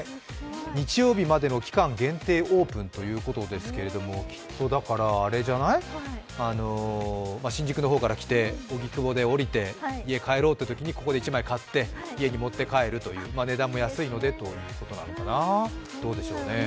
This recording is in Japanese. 日曜日までの期間限定オープンということですけれども、きっとだから、新宿の方から来て荻窪で降りて家に帰ろうってときに、ここで１枚買って家に持って帰るという、値段も安いのでということなのかな、どうでしょうね。